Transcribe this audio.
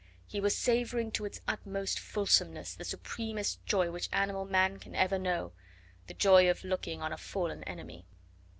He was savouring to its utmost fulsomeness the supremest joy which animal man can ever know the joy of looking on a fallen enemy.